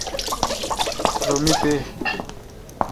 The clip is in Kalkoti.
رو می پے۔